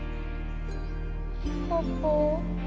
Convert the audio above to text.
パパ